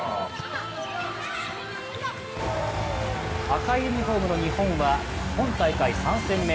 赤いユニフォームの日本は今大会３戦目